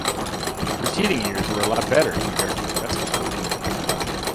The preceding years were a lot better compared to the rest of the world.